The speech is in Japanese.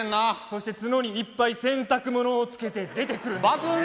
そして角にいっぱい洗濯物をつけて出てくるんですよね。